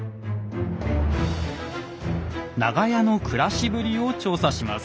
長屋の暮らしぶりを調査します。